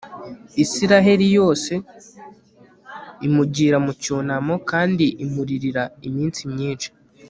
israheli yose imugira mu cyunamo kandi imuririra iminsi myinshi